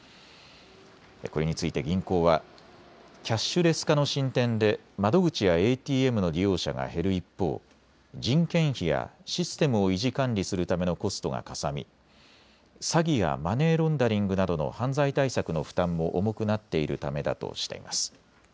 これについて銀行はキャッシュレス化の進展で窓口やＡＴＭの利用者が減る一方、人件費やシステムを維持管理するためのコストがかさみ詐欺やマネーロンダリングなどの犯罪対策の負担も重くなっているためだとしています。